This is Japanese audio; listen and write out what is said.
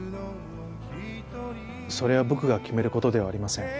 それは僕が決める事ではありません。